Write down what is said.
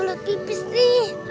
aku kebuna kipis nih